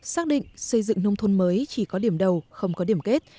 xác định xây dựng nông thôn mới chỉ có điểm đầu không có điểm kết